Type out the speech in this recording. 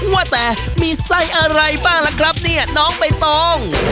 ว่าแต่มีไส้อะไรบ้างล่ะครับเนี่ยน้องใบตอง